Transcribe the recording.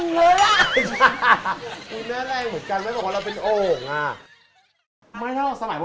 มาแล้วมาเป็นประยุทธิพวงช้าง